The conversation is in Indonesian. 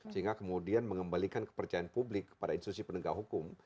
sehingga kemudian mengembalikan kepercayaan publik kepada institusi penegak hukum